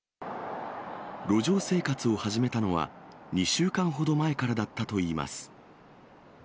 路上生活を始めたのは、２週間ほど前からだったといいます。